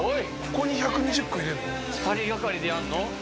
２人がかりでやるの？